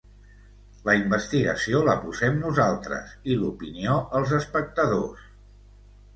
La investigació la posem nosaltres i l'opinió els espectadors.